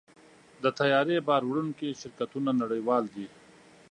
د طیارې بار وړونکي شرکتونه نړیوال دي.